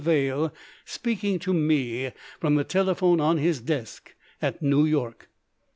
Vail speaking to me from the telephone on his desk at New York.